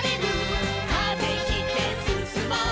「風切ってすすもう」